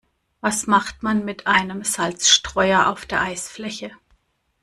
Was macht man mit einem Salzstreuer auf der Eisfläche?